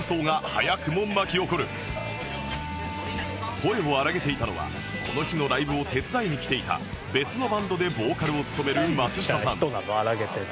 声を荒らげていたのはこの日のライブを手伝いに来ていた別のバンドでボーカルを務める松下さん